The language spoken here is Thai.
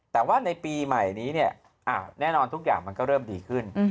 แต่ว่าในปีใหม่นี้เนี่ยแน่นอนทุกอย่างมันก็เริ่มดีขึ้น